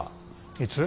いつ？